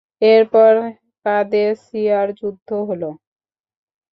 এরপর কাদেসিয়ার যুদ্ধ হল।